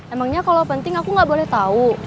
emangnya kalau penting aku nggak boleh tahu